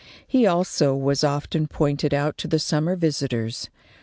He also was often pointed out to the summer visitors.